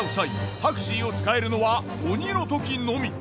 タクシーを使えるのは鬼のときのみ。